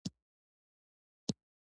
هغه له کابل څخه را ونه ووت.